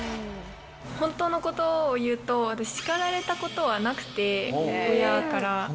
本当のことを言うと、叱られたことはなくて、親から。